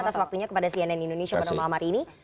atas waktunya kepada cnn indonesia pada malam hari ini